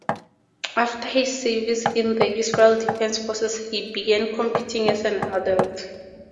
After his service in the Israel Defense Forces he began competing as an adult.